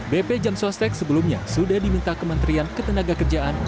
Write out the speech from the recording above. bp jam sostek sebelumnya sudah diminta kementerian ketenagakerjaan